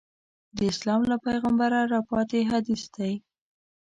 د اسلام له پیغمبره راپاتې حدیث دی.